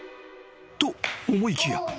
［と思いきや］